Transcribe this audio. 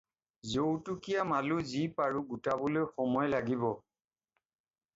যৌতুকীয়া মালো যি পাৰোঁ গোটাবলৈ সময় লাগিব।